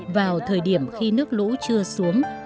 vào thời điểm khi nước lũ chưa xuống